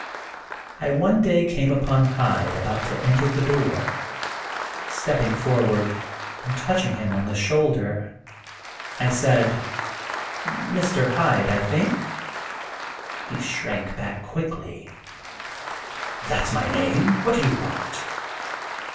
I one day came upon Hyde about to enter the door. Stepping forward, and touching him on the shoulder, I said, " Mr. Hyde, I think ?" He shrank back quickly :" That 's my name. What do you want?"